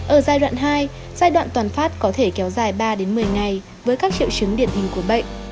ở giai đoạn hai giai đoạn toàn phát có thể kéo dài ba một mươi ngày với các triệu chứng điển hình của bệnh